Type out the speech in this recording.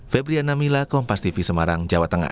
febriana mila kompas tv semarang jawa tengah